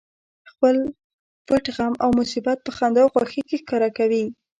خپل پټ غم او مصیبت په خندا او خوښۍ کې ښکاره کوي